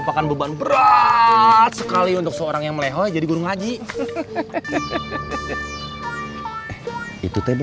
papa gak mau kehilangan jeniper